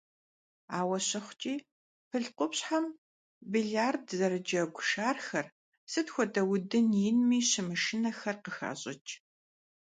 Ауэ щыхъукӀи, пыл къупщхьэм биллиард зэрыджэгу шархэр, сыт хуэдэ удын инми щымышынэхэр, къыхащӀыкӀ.